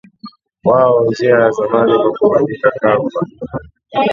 wao njia ya zamani kwa kubandika kamba